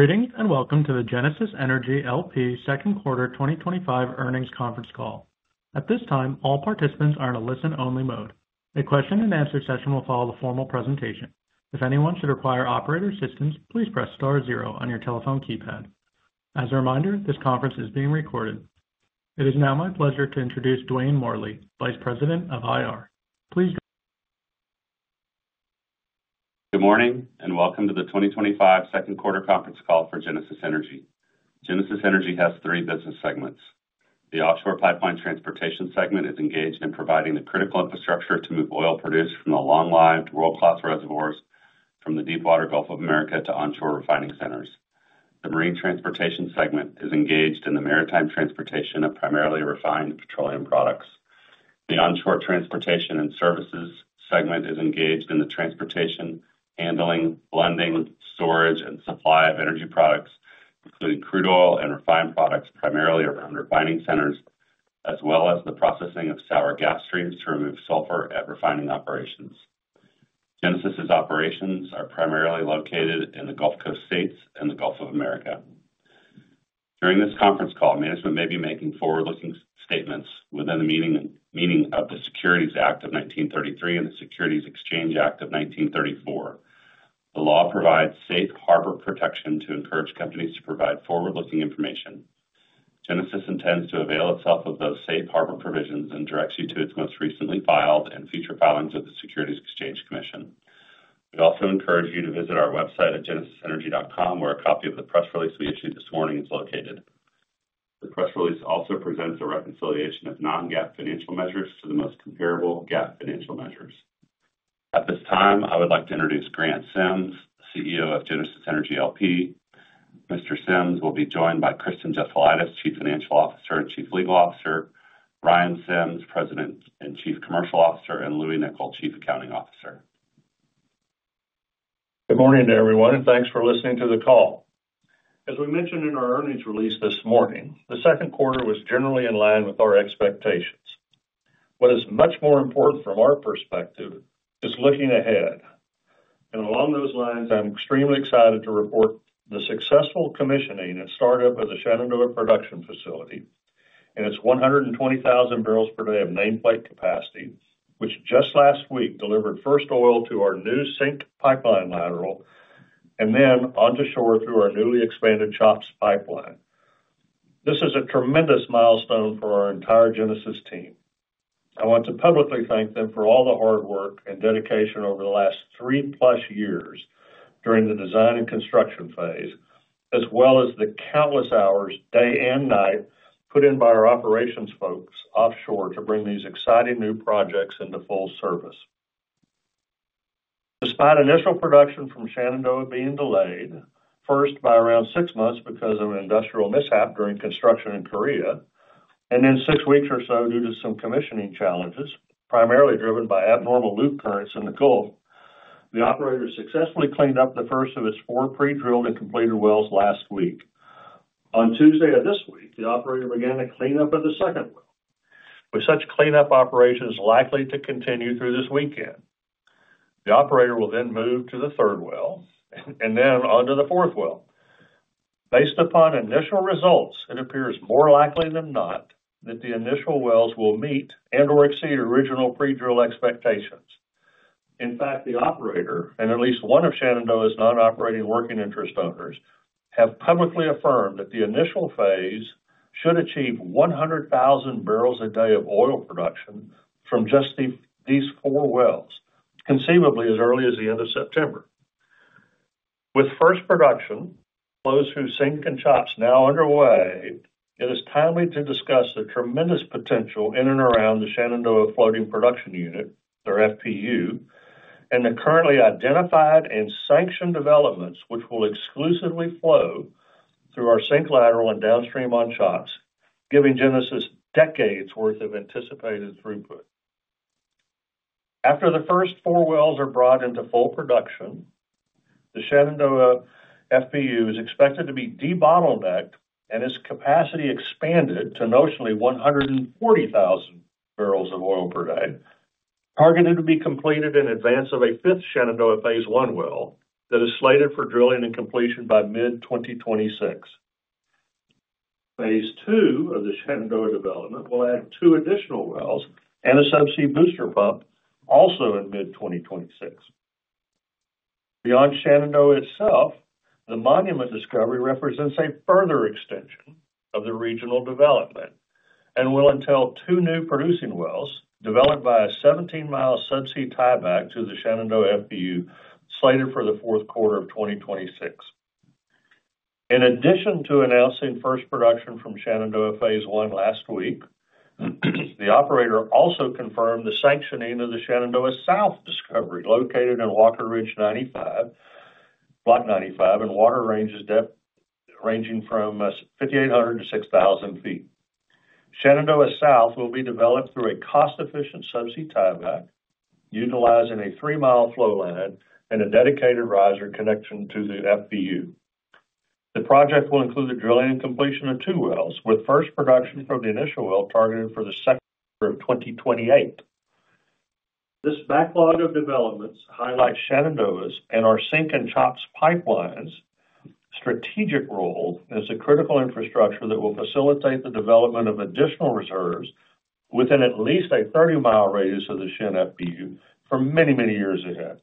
Greetings and welcome to the Genesis Energy, L.P. Second Quarter 2025 Earnings Conference Call. At this time, all participants are in a listen-only mode. A question and answer session will follow the formal presentation. If anyone should require operator assistance, please press star zero on your telephone keypad. As a reminder, this conference is being recorded. It is now my pleasure to introduce Dwayne Morley, Vice President of IR. Good morning and welcome to the 2025 Second Quarter Conference Call for Genesis Energy. Genesis Energy has three business segments. The Offshore Pipeline Transportation segment is engaged in providing the critical infrastructure to move oil produced from the long-lived world-class reservoirs from the deepwater Gulf of America to onshore refining centers. The Marine Transportation segment is engaged in the maritime transportation of primarily refined petroleum products. The Onshore Transportation and Services segment is engaged in the transportation, handling, blending, storage, and supply of energy products including crude oil and refined products primarily around refining centers as well as the processing of sour gas streams to remove sulfur at refining operations. Genesis operations are primarily located in the Gulf Coast States and the Gulf of Mexico. During this conference call, management may be making forward-looking statements within the meaning of the Securities Act of 1933 and the Securities Exchange Act of 1934. The law provides safe harbor protection to encourage companies to provide forward-looking information. Genesis intends to avail itself of those safe harbor provisions and directs you to its most recently filed and future filings with the Securities Exchange Commission. We also encourage you to visit our website at genesisenergy.com where a copy of the press release we issued this morning is located. The press release also presents a reconciliation of non-GAAP financial measures to the most comparable GAAP financial measures. At this time I would like to introduce Grant Sims, CEO of Genesis Energy, L.P. Mr. Sims will be joined by Kristen Jesulaitis, Chief Financial Officer, Chief Legal Officer, Ryan Sims, President and Chief Commercial Officer, and Louie Nicol, Chief Accounting Officer. Good morning to everyone and thanks for listening to the call. As we mentioned in our earnings release this morning, the second quarter was generally. In line with our expectations. What is much more important from our perspective is looking ahead, and along those lines, I'm extremely excited to report the successful commissioning and startup of the Shenandoah Production Facility and its 120,000 barrels per day of nameplate capacity, which just last week delivered first oil to our new SINK pipeline lateral and then onto shore through our newly expanded CHOPS pipeline. This is a tremendous milestone for our entire Genesis team. I want to publicly thank them for all the hard work and dedication over the last three plus years during the design and construction phase, as well as the countless hours, day and night, put in by our operations folks offshore too. Bring these exciting new projects into full service. Despite initial production from Shenandoah being delayed first by around six months because of an industrial mishap during construction in Korea, and then six weeks or so due to some commissioning challenges primarily driven by abnormal loop currents in the Gulf, the operator successfully cleaned up the first of its four pre-drilled and completed wells last week. On Tuesday of this week, the operator began a cleanup of the second. With such cleanup operations likely to continue through this weekend, the operator will then move to the third well and then onto the fourth well. Based upon initial results, it appears more likely than not that the initial wells will meet and/or exceed original pre-drill expectations. In fact, the operator and at least one of Shenandoah's non-operating working interest owners have publicly affirmed that the initial phase should achieve 100,000 barrels a day of oil production from just these four wells, conceivably as early as the end of September. With first production flows through SINK and CHOPS now underway, it is timely to discuss the tremendous potential in and around the Shenandoah Floating Production Unit or FPU and the currently identified and sanctioned developments which will exclusively flow through our SINK lateral and downstream on CHOPS, giving Genesis. decades worth of anticipated throughput. After the first four wells are brought into full production, the Shenandoah FPU is expected to be debottlenecked and its capacity expanded to notionally 140,000 barrels of oil per day, targeted to be completed in advance of a fifth Shenandoah phase I well that is slated for drilling and completion by mid-2026. Phase II of the Shenandoah development will add two additional wells and a subsea booster pump also in mid-2026. Beyond Shenandoah itself, the Monument discovery represents a further extension of the regional development and will entail two new producing wells developed by a 17-mile subsea tieback to the Shenandoah FPU slated for fourth quarter of 2026. In addition to announcing first production from Shenandoah phase I last week, the operator also confirmed the sanctioning of the Shenandoah South discovery located in Walker Ridge Block 95 and water depths ranging from 5,800 to 6,000 ft. Shenandoah South will be developed through a cost-efficient subsea tieback utilizing a three-mile flowline and a dedicated riser connection to the FPU. The project will include the drilling and completion of two wells with first production from the initial well targeted for the second quarter of 2028. This backlog of developments highlights Shenandoah's and our SINK and CHOPS pipelines' strategic role as a critical infrastructure that will facilitate the development of additional reserves within at least a 30-mile radius of the Shenandoah FPU for many, many years ahead.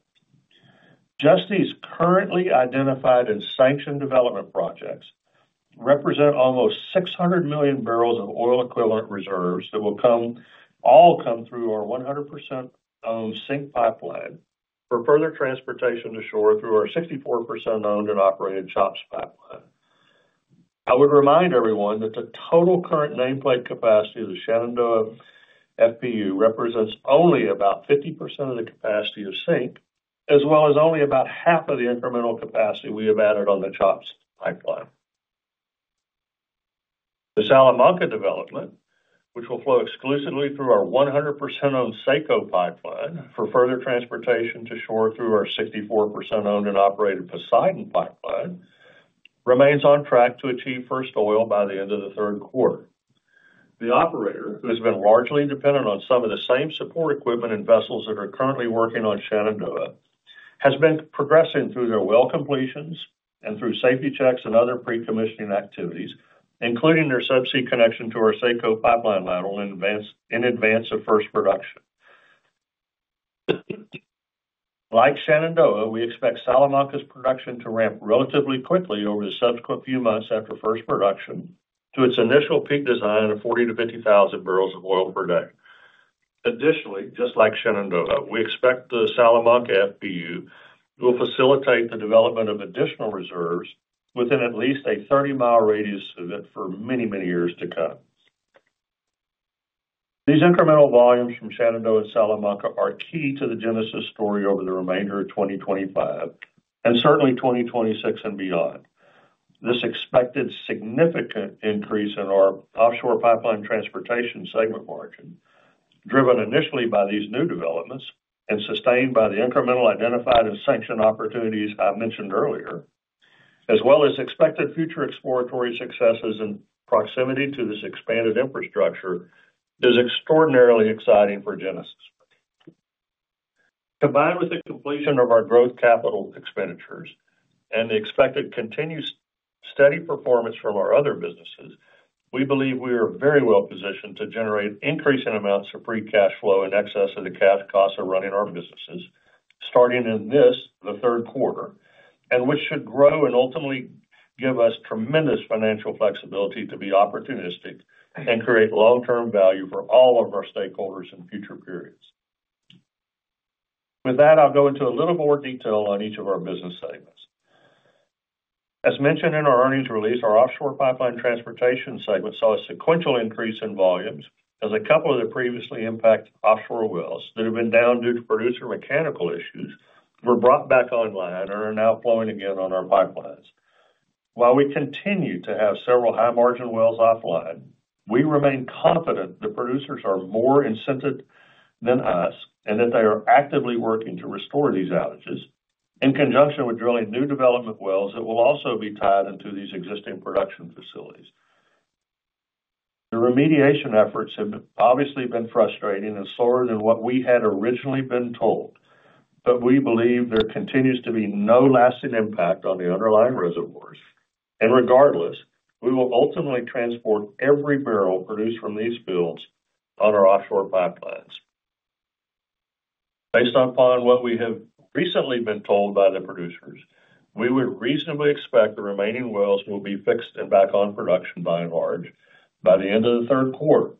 Just these currently identified and sanctioned development projects represent almost 600 million barrels of oil equivalent reserves that will all come through our 100% owned SINK pipeline for further transportation to shore through our 64% owned and operated CHOPS pipeline. I would remind everyone that the total current nameplate capacity of the Shenandoah FPU represents only about 50% of the capacity of SINK as well as only about half of the incremental capacity we have added on the CHOPS pipeline. The Salamanca development, which will flow exclusively through our 100% owned SACO pipeline for further transportation to shore through our 64% owned and operated Poseidon pipeline, remains on track to achieve first oil by the end of the third quarter. The operator, who has been largely dependent on some of the same support equipment and vessels that are currently working on Shenandoah, has been progressing through their well completions and through safety checks and other pre-commissioning activities, including their subsea connection to our SACO pipeline lateral in advance of first production. Like Shenandoah, we expect Salamanca's production to ramp relatively quickly over the subsequent few months after first production to its initial peak design of 40,000 to 50,000 barrels of oil per day. Additionally, just like Shenandoah, we expect the Salamanca FPU will facilitate the development of additional reserves within at least a 30. Mile radius of it for many, many years to come. These incremental volumes from Shenandoah and Salamanca are key to the Genesis story over the remainder of 2025 and certainly 2026 and beyond. This expected significant increase in our offshore pipeline transportation segment margin, driven initially by these new developments and sustained by the incremental identified and sanctioned opportunities I mentioned earlier, as well as expected future exploratory successes in proximity to this expanded infrastructure, is extraordinarily exciting for Genesis. Combined with the completion of our growth capital expenditures and the expected continued steady performance from our other businesses, we believe we are very well-positioned to generate increasing amounts of free cash flow in. Excess of the cash costs of running. Our businesses starting in this the third quarter and which should grow and ultimately give us tremendous financial flexibility to be opportunistic and create long-term value for all of our stakeholders in future periods. With that I'll go into a little more detail on each of our business segments. As mentioned in our earnings release, our offshore pipeline transportation segment saw a sequential increase in volumes as a couple of the previously impacted offshore wells that have been down due to producer mechanical issues were brought back online and are now flowing again on our pipelines. While we continue to have several high margin wells offline, we remain confident the producers are more incentive than us and that they are actively working to restore these outages in conjunction with drilling new development wells that will also be tied. Into these existing production facilities. The remediation efforts have obviously been frustrating and slower than what we had originally been told, but we believe there continues to be no lasting impact on the underlying reservoirs and regardless, we will ultimately transport every barrel produced from these fields on our offshore pipelines. Based upon what we have recently been told by the producers, we would reasonably expect the remaining wells will be fixed and back on production by and large by the end of the third quarter,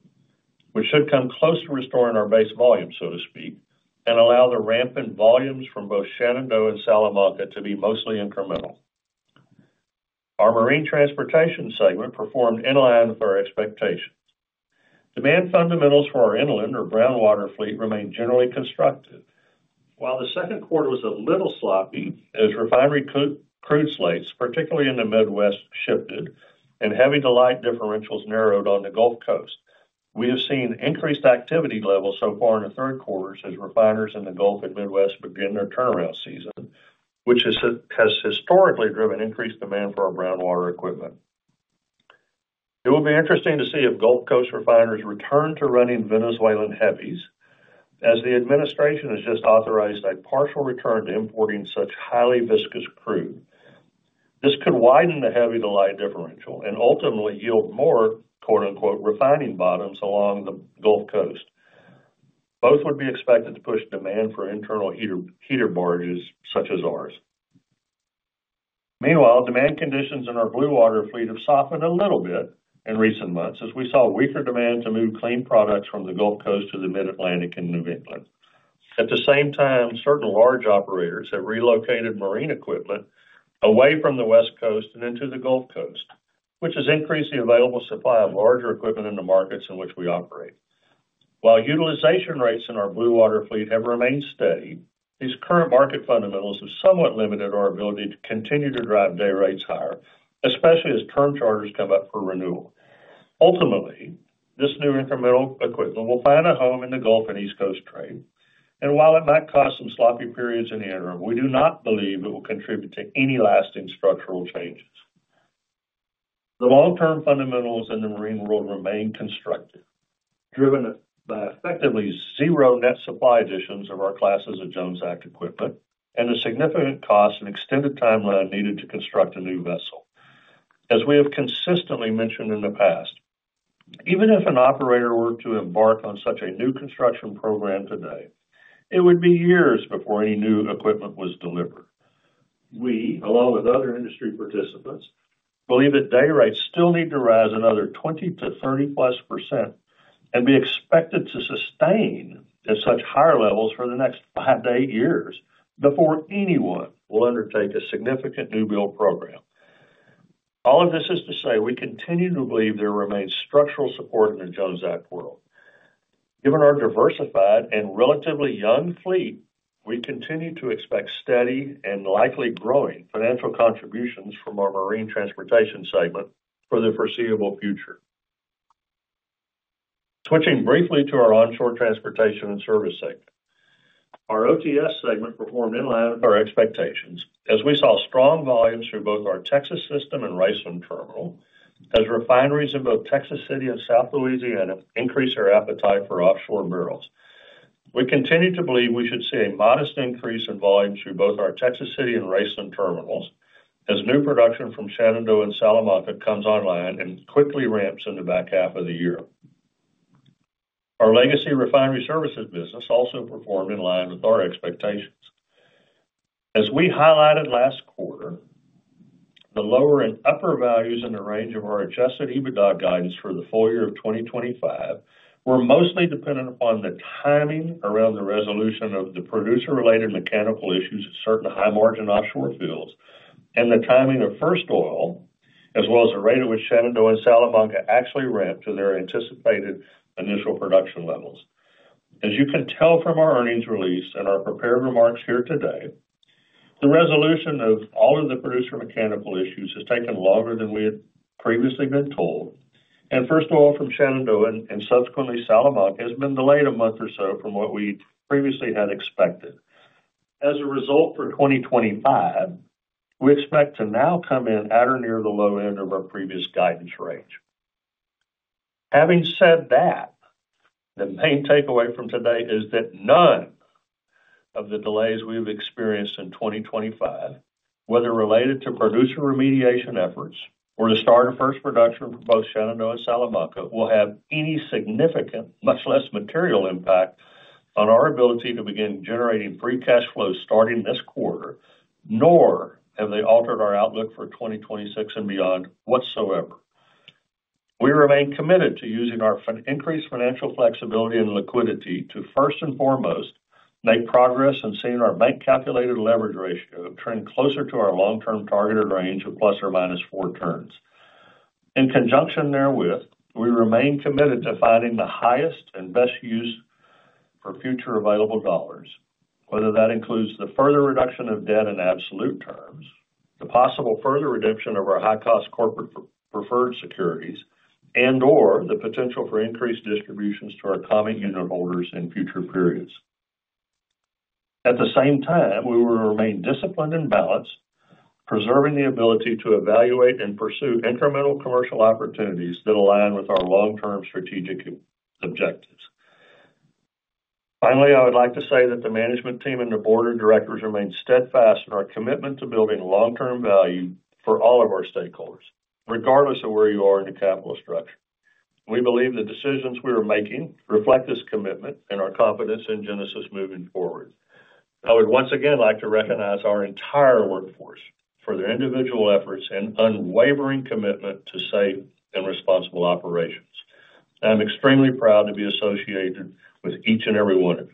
which should come close to restoring our base volume, so to speak, and allow the ramping volumes from both Shenandoah and Salamanca to be mostly incremental. Our Marine Transportation segment performed in line with our expectations. Demand fundamentals for our inland or brown water fleet remain generally constructive. While the second quarter was a little sloppy as refinery crude slates, particularly in the Midwest, shifted and heavy to light differentials narrowed on the Gulf Coast, we have seen increased activity levels so far in the third quarter as refiners in the Gulf and Midwest begin their turnaround season, which has historically driven increased demand for our brown water equipment. It will be interesting to see if Gulf Coast refiners return to running Venezuelan heavies, as the administration has just authorized a partial return to importing such highly viscous crude. This could widen the heavy to light differential and ultimately yield more refining bottoms along the Gulf Coast. Both would be expected to push demand for internal heater barges such as ours. Meanwhile, demand conditions in our Blue Water fleet have softened a little bit in recent months as we saw weaker demand to move clean products from the Gulf Coast to the Mid-Atlantic and New England. At the same time, certain large operators have relocated marine equipment away from the West Coast and into the Gulf Coast, which has increased the available supply of larger equipment in the markets in which we operate. While utilization rates in our Blue Water fleet have remained steady, these current market fundamentals have somewhat limited our ability to continue to drive day rates higher, especially as term charters come up for renewal. Ultimately, this new incremental equipment will find a home in the Gulf and East Coast trade, and while it might cause some sloppy periods in the interim, we do not believe it will contribute to any lasting structural changes. The long-term fundamentals in the marine world remain constructive, driven by effectively zero net supply additions of our classes of Jones Act equipment and the significant cost and extended timeline needed to construct a new vessel. As we have consistently mentioned in the past, even if an operator were to embark on such a new construction program today, it would be years before any. New equipment was delivered. We, along with other industry participants, believe that day rates still need to rise another 20% to 30% plus and be expected to sustain at such higher levels for the next five to eight years before anyone will undertake a significant new build program. All of this is to say we continue to believe there remains structural support in the Jones Act world. Given our diversified and relatively young fleet, we continue to expect steady and likely growing financial contributions from our Marine Transportation segment for the foreseeable future. Switching briefly to our Onshore Transportation and Services segment, our OTS segment performed in line with our expectations as we saw strong volumes through both our Texas system and Raceland terminal. As refineries in both Texas City and South Louisiana increase their appetite for offshore barrels, we continue to believe we should see a modest increase in volume through both our Texas City and Raceland terminals as new production from Shenandoah and Salamanca comes online and quickly ramps in the. Back half of the year. Our legacy refinery services business also performed in line with our expectations. As we highlighted last quarter, the lower and upper values in the range of our adjusted EBITDA guidance for the full year of 2025 were mostly dependent upon the timing around the resolution of the producer-related mechanical issues at certain high-margin offshore fields and the timing of first oil, as well as the rate at which Shenandoah and Salamanca actually ramped to their anticipated initial production levels. As you can tell from our earnings release and our prepared remarks here today, the resolution of all of the producer mechanical issues has taken longer than we had previously been told, and first oil from Shenandoah and subsequently Salamanca has been delayed a month or so from what we previously had expected. As a result, for 2025, we expect to now come in at or near the low end of our previous guidance range. Having said that, the main takeaway from today is that none of the delays we have experienced in 2025, whether related to producer remediation efforts or the start of first production for both Shenandoah and Salamanca, will have any significant, much less material, impact on our ability to begin generating free cash flow, starting this quarter nor have they altered our outlook for 2026 and beyond whatsoever. We remain committed to using our increased financial flexibility and liquidity to first and foremost make progress in seeing our bank-calculated leverage ratio trend closer to our long-term targeted range of plus or minus four turns. In conjunction therewith, we remain committed to finding the highest and best use for future available dollars, whether that includes the further reduction of debt in absolute terms, the possible further redemption of our high-cost corporate preferred securities, and/or the potential for increased distributions to our common unitholders in future periods. At the same time, we will remain disciplined and balanced, preserving the ability to evaluate and pursue incremental commercial opportunities that align with our long-term strategic objectives. Finally, I would like to say that the management team and the Board of Directors remain steadfast in our commitment to building long-term value for all of our stakeholders. Regardless of where you are in the capital structure, we believe the decisions we are making reflect this commitment and our confidence in Genesis. Moving forward. I would once again like to recognize our entire workforce for their individual efforts and unwavering commitment to safe and responsible operations. I'm extremely proud to be associated with each and every one of you.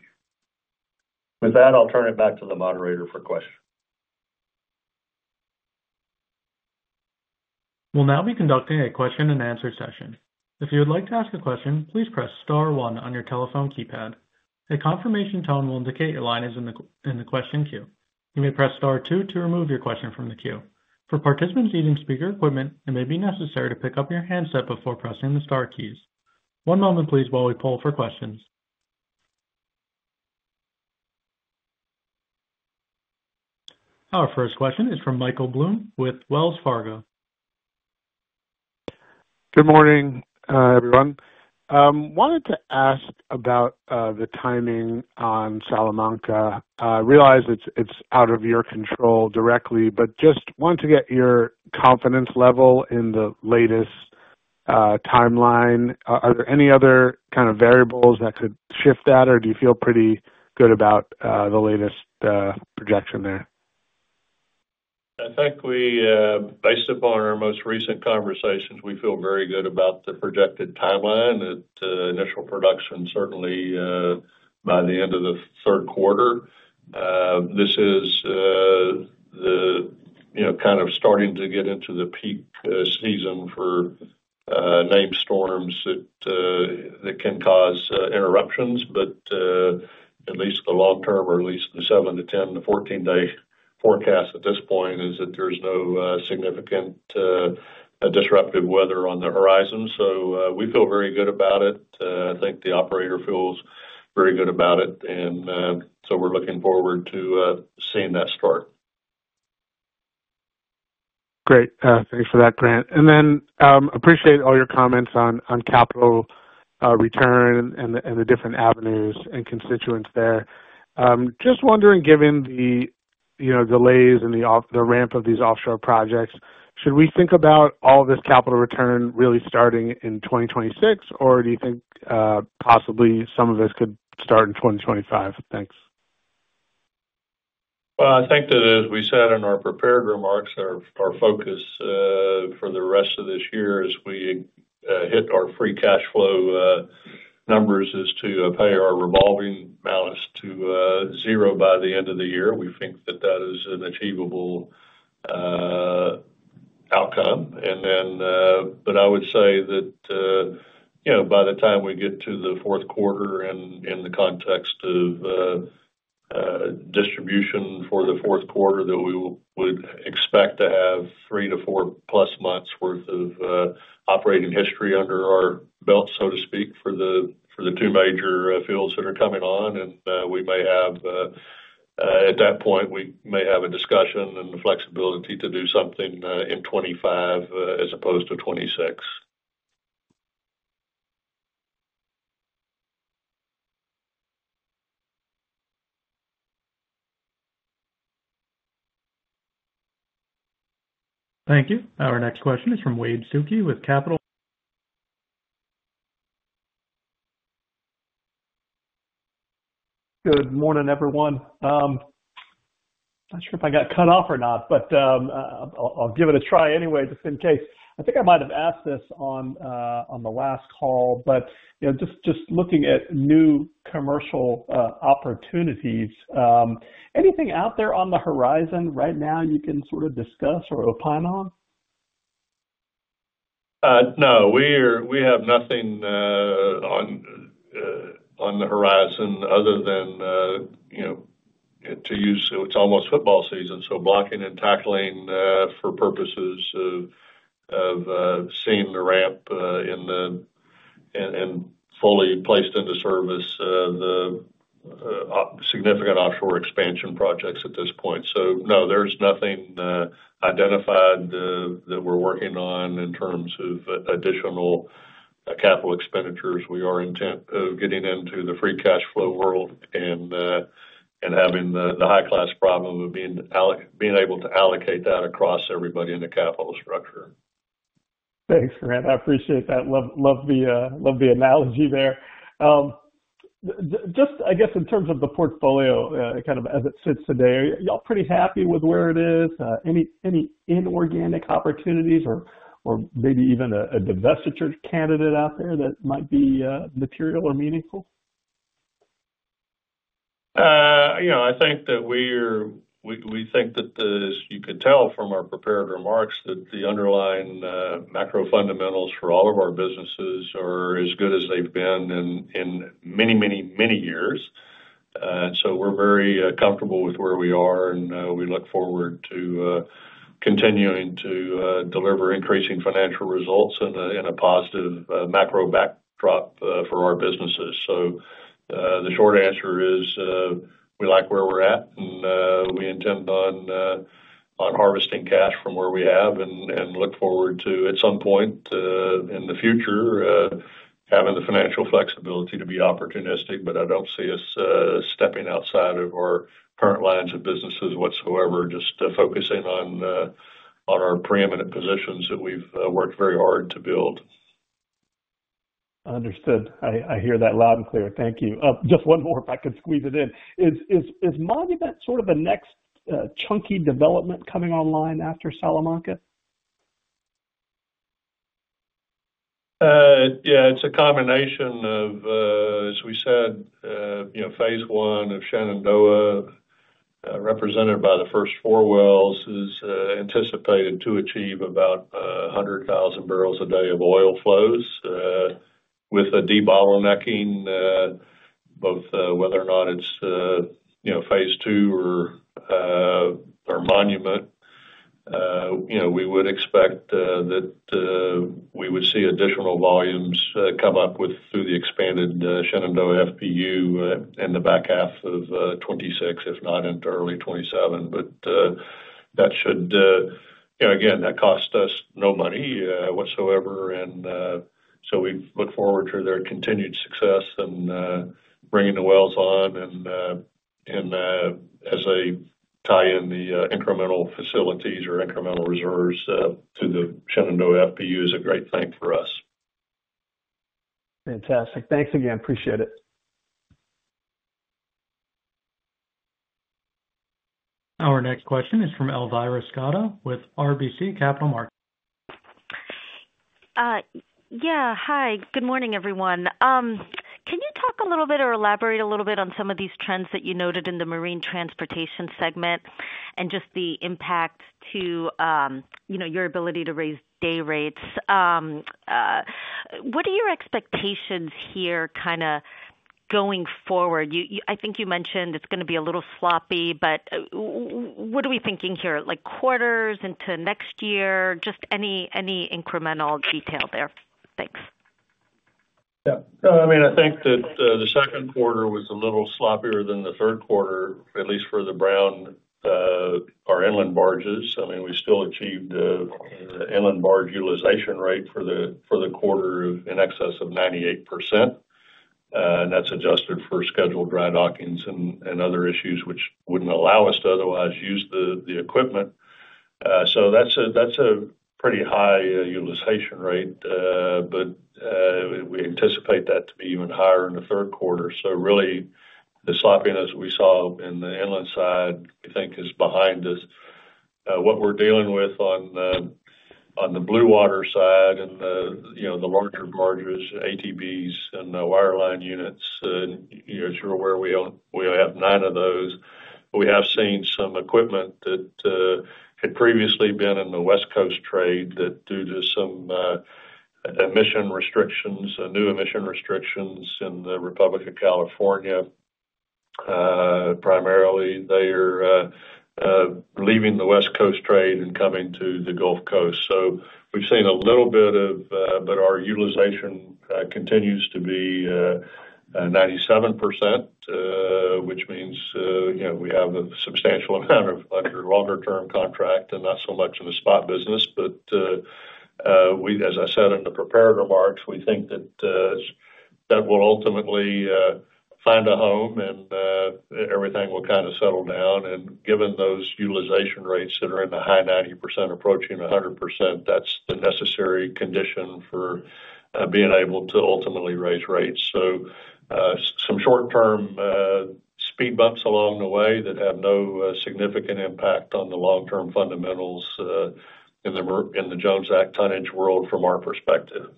With that, I'll turn it back to the moderator for questions. We'll now be conducting a question and answer session. If you would like to ask a question, please press star one on your telephone keypad. A confirmation tone will indicate your line is in the question queue. You may press star two to remove your question from the queue. For participants using speaker equipment, it may be necessary to pick up your handset before pressing the star keys. One moment please, while we poll for questions. Our first question is from Michael Blum with Wells Fargo. Good morning everyone. I wanted to ask about the timing on Salamanca. I realize it's out of your control directly, but just want to get your confidence level in the latest timeline. Are there any other kind of variables that could shift that, or do you feel pretty good about the latest projection there? I think we, based upon our most recent conversations, we feel very good about the projected timeline, initial production certainly by the end of the third quarter. This is the, you know, kind of starting to get into the peak season for night storms that can cause interruptions. At least the long term, or at least the seven to 10 to 14 day forecast at this point is that there's no significant disruptive weather on the horizon. We feel very good about it. I think the operator feels very good about it, and we're looking forward to seeing that start. Great, thanks for that, Grant, and I appreciate all your comments on capital return and the different avenues and constituents there. Just wondering, given the delays and the ramp of these offshore projects, should we think about all this capital return really starting in 2026, or do you think possibly some of this could start in 2025? Thanks. As we said in our prepared remarks, our focus for the rest of this year as we hit our free cash flow numbers is to pay our revolving balance to zero by the end of the year. We think that is an achievable outcome. I would say that by the time we get to the fourth quarter and in the context of distribution for the fourth quarter, we would expect to have three to four plus months worth of operating. History under our belt, so to speak. For the two major fields that are coming on, we may have, at that point, a discussion and the flexibility to do something in 2025 as opposed to 2026. Thank you. Our next question is from Wade Suki with Capital. Good morning everyone. Not sure if I got cut off or not, but I'll give it a try anyway just in case. I think I might have asked this on the last call, but just looking at new commercial opportunities. Anything out there on the horizon right now you can sort of discuss or opine on? No, we have nothing on the horizon other than, you know, to use. It's almost football season, so blocking and tackling for purposes of seeing the ramp in and fully placed into service, the significant offshore expansion projects at this point. No, there's nothing identified that we're working on in terms of additional capital expenditures. We are intent on getting into the free cash flow world and having the high class problem of being able to allocate that across everybody in the capital structure. Thanks, Grant, I appreciate that. Love the analogy there. Just, I guess in terms of the portfolio kind of as it sits today, y'all pretty happy with where it is. Any inorganic opportunities or maybe even a divestiture candidate out there that might be material or meaningful? I think that we are, we think that you could tell from our prepared remarks that the underlying macro fundamentals for all of our businesses are as good as they've been in many, many, many years. We're very comfortable with where we are and we look forward to continuing to deliver increasing financial results in a positive macro backdrop for our businesses. The short answer is we like where we're at and we intend on harvesting cash from where we have and look forward to at some point in the future having the financial flexibility to be opportunistic. I don't see us stepping outside of our current lines of businesses whatsoever, just focusing on our preeminent positions that we've worked very hard to build. Understood. I hear that loud and clear. Thank you. Just one more, if I could squeeze it in. Is Monument sort of the next chunky development coming online after Salamanca? Yeah, it's a combination of, as we said, you know, phase one of Shenandoah. Represented by the first four wells is. Anticipated to achieve about 100,000 barrels a day of oil flows with a debottlenecking both. Whether or not it's phase two or Monument, we would expect that we would see additional volumes come up through the expanded Shenandoah FPU in the back half of 2026, if not into early 2027. That should, again, cost us no money whatsoever. We look forward to their continued success in bringing the wells on, and as they tie in the incremental facilities or incremental reserves to the Shenandoah FPU, it is a great thing for us. Fantastic. Thanks again. Appreciate it. Our next question is from Elvira Scotto with RBC Capital Markets. Yeah, hi. Good morning, everyone. Can you talk a little bit or elaborate a little bit on some of these trends that you noted in the Marine Transportation segment and just the impact to, you know, your ability to raise day rates? What are your expectations here going forward? I think you mentioned it's going to be a little sloppy. What are we thinking here, like quarters into next year? Just any incremental details out there? Thanks. I think that the second quarter was a little sloppier than the. Third quarter, at least for the brown or inland barges. I mean, we still achieved the inland barge utilization rate for the quarter in excess of 98%. That's adjusted for scheduled dry dockings and other issues which wouldn't allow us to otherwise use the equipment. That's a pretty high utilization rate, but we anticipate that to be even higher in the third quarter. The sloppiness we saw in the inland side I think is behind us. What we're dealing with on the blue water side and the larger barges, ATBs and the wire line units, you're not sure where. We only have nine of those. We have seen some equipment that had previously been in the West Coast trade that due to some emission restrictions, new emission restrictions in the Republic of California primarily, they are leaving the West Coast trade and coming to the Gulf Coast. We've seen a little bit of that. Our utilization continues to be 97% which means we have a substantial amount under longer term contract and not so much in the spot business. As I said in the prepared remarks, we think that will ultimately find a home and everything will kind of settle down. Given those utilization rates that are in the high 90%, approaching 100%, that's the necessary condition for being able to ultimately raise rates. Some short-term speed bumps along the way have no significant impact on the long-term fundamentals in the Jones Act tonnage world from our perspective.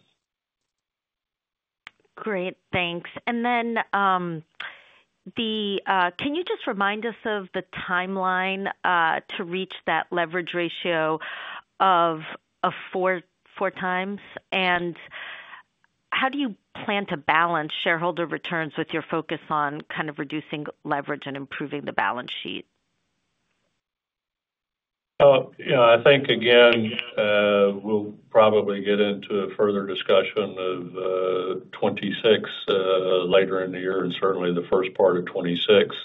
Great, thanks. Can you just remind us of the timeline to reach that leverage ratio of four times, and how do you plan to balance shareholder returns with your focus on kind of reducing leverage and improving the balance sheet? I think again we'll probably get into a further discussion of 2026 later in the year and certainly the first part of 2026.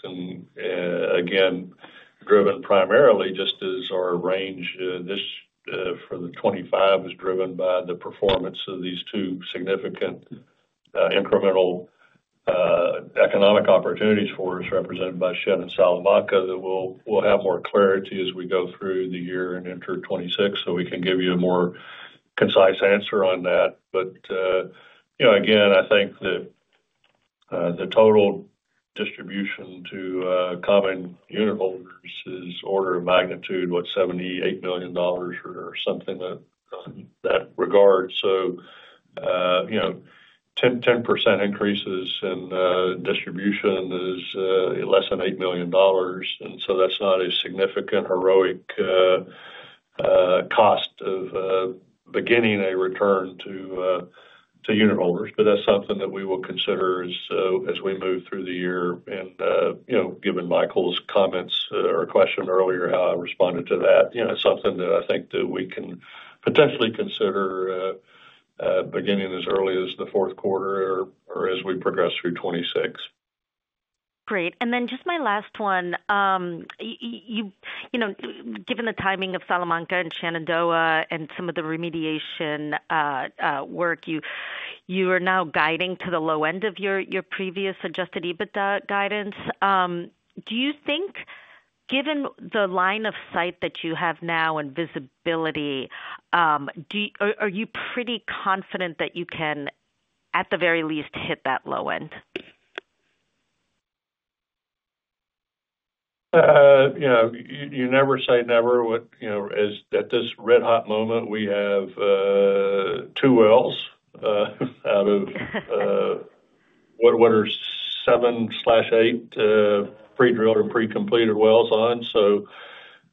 Again, driven primarily just as our range for 2025 is driven by the performance of these two significant incremental economic opportunities for us, represented by Shenandoah South and Salamanca, that we'll have more clarity as we go through the year and enter 2026. We can give you a more concise answer on that. I think that the total distribution to common unitholders is order of magnitude, what, $78 million or. Something in that regard. You know, 10% increases in distribution is less than $8 million, and that's not a significant heroic cost of beginning a return to unitholders. That's something that we will consider as we move through the year. You know, given Michael's comments or question earlier, how I responded to that, that's something that I think that we can potentially consider beginning as early as the fourth quarter or as we progress through 2026. Great. Just my last one, given the timing of Salamanca and Shenandoah and some of the remediation work, you are now guiding to the low end of your previous adjusted EBITDA guidance. Do you think, given the line of sight that you have now and visibility, are you pretty confident that you can at the very least hit that low end? You know, you never say never. At this red hot moment we have two wells out of what are seven, eight pre-drilled and pre-completed wells on.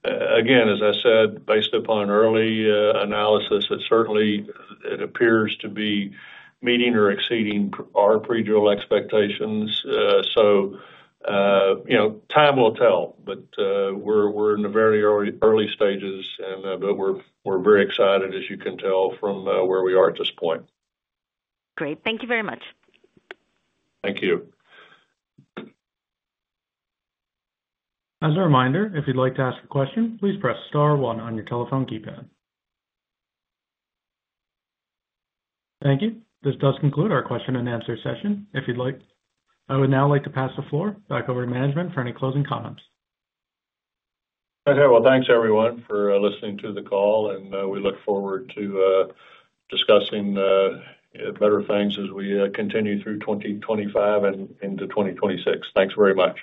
As I said, based upon early analysis, it certainly appears to be meeting or exceeding our pre-drill expectations. Time will tell, but we're in the very early stages. We're very excited as you can tell from where we are at this point. Great, thank you very much. Thank you. As a reminder, if you'd like to ask a question, please press star 1 on your telephone keypad. Thank you. This does conclude our question and answer session. If you'd like, I would now like to pass the floor back over to management for any closing comments. Okay, thanks, everyone, for listening to the call, and we look forward to discussing better things as we continue through 2025 and into 2026. Thanks very much.